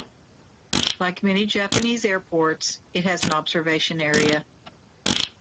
Like many Japanese airports, it has an observation area.